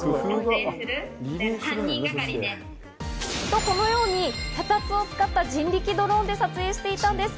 と、このように脚立を使った人力ドローンで撮影していたんです。